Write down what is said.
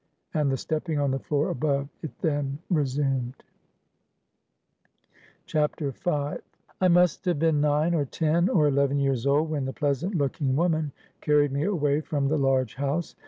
And the stepping on the floor above, it then resumed. V. "I must have been nine, or ten, or eleven years old, when the pleasant looking woman carried me away from the large house.